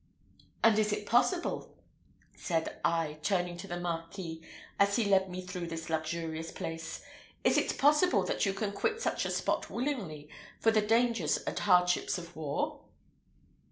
"And is it possible," said I, turning to the Marquis as he led me through this luxurious place "is it possible that you can quit such a spot willingly, for the dangers and hardships of war?"